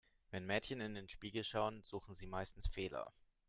Wenn Mädchen in den Spiegel schauen, suchen sie meistens Fehler.